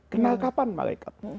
kenal kapan malaikat